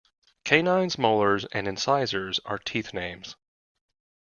Canines, Molars and Incisors are teeth names.